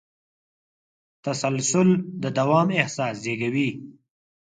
تسلسل د دوام احساس زېږوي.